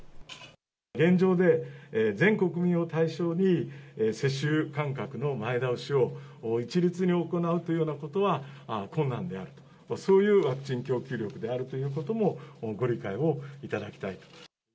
現状で全国民を対象に接種間隔の前倒しを一律に行うというようなことは、困難であると、そういうワクチン供給力であるということもご理解をいただきたい。